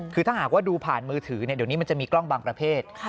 คือถ้าหากว่าดูผ่านมือถือเดี๋ยวนี้มันจะมีกล้องบางประเภท